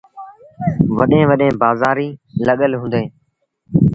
وڏيݩ وٚڏيݩ بآزآريٚݩ لڳل هُݩديٚݩ۔